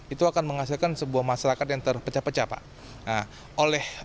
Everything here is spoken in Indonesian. itu akan menghasilkan sebuah masyarakat yang terpecah pecah pak